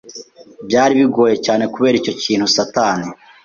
Byari bingoye cyane kubera icyo kintu satani